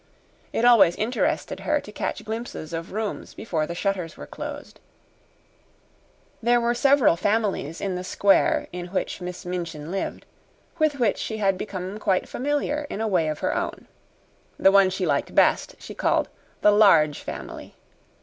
It always interested her to catch glimpses of rooms before the shutters were closed. There were several families in the square in which Miss Minchin lived, with which she had become quite familiar in a way of her own. The one she liked best she called the Large Family.